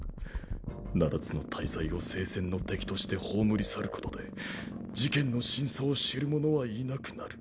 七つの大罪を聖戦の敵として葬り去ることで事件の真相を知る者はいなくなる。